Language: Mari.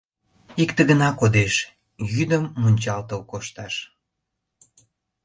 Икте гына кодеш: йӱдым мунчалтыл кошташ...